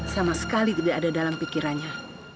sama sekali tidak ada dalam pikirannya